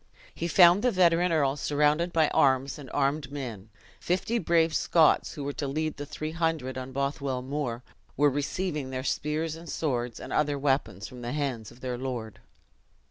HE found the veteran earl surrounded by arms and armed men; fifty brave Scots, who were to lead the three hundred on Bothwell Moor, were receiving their spears and swords, and other weapons, from the hands of their lord.